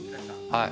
はい。